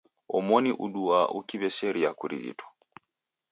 Omoni uduaa ukiw'eseria kurighitwa.